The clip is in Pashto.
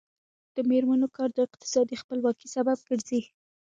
د میرمنو کار د اقتصادي خپلواکۍ سبب ګرځي.